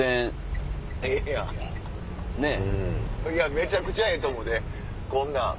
めちゃくちゃええと思うでこんなん。